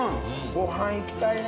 ご飯いきたいね